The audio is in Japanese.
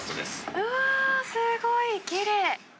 うわー、すごいきれい。